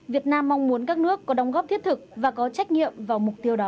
việt nam mong muốn các nước có đóng góp thiết thực và có trách nhiệm vào mục tiêu đó